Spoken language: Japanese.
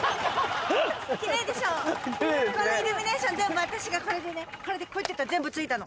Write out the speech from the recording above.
このイルミネーション全部私がこれでねこれでこうやってやったら全部ついたの。